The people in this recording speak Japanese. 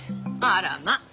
あらまっ！